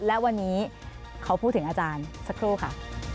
และวันนี้เขาพูดถึงอาจารย์สักครู่ค่ะ